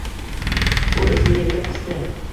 U esa yelka qisdi